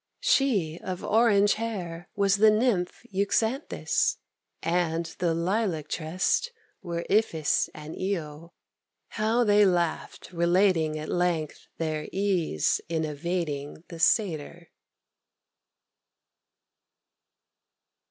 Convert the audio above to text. She of orange hair was the Nymph Euxanthis, And the lilac tressed were Iphis and Io; How they laughed, relating at length their ease in Evading the Satyr.